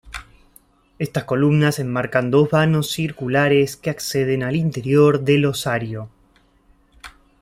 Estas columnas enmarcan dos vanos circulares que acceden al interior del osario.